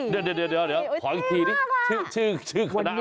เดี๋ยวขออีกทีนิชื่อคณะอะไรนะ